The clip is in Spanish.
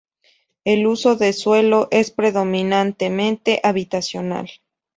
El uso de suelo es predominantemente habitacional.